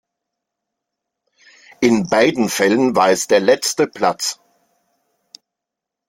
In beiden Fällen war es der letzte Platz.